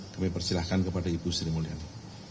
kami persilahkan kepada ibu sri mulyani